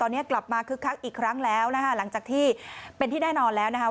ตอนนี้กลับมาคึกคักอีกครั้งแล้วนะคะหลังจากที่เป็นที่แน่นอนแล้วนะคะ